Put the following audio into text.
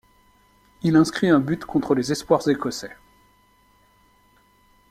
Il inscrit un but contre les espoirs écossais.